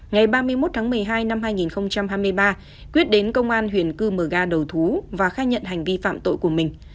ngày ba mươi một tháng một mươi hai năm hai nghìn hai mươi ba quyết đến công an huyện cư mờ ga đầu thú và khai nhận hành vi phạm tội của mình